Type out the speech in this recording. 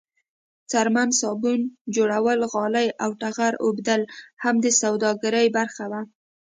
څرمن، صابون جوړول، غالۍ او ټغر اوبدل هم د سوداګرۍ برخه وه.